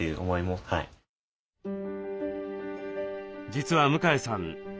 実は向江さん